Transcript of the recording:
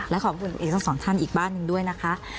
และขอบคุณคุณเอกทั้งสองท่านอีกบ้านหนึ่งด้วยนะคะ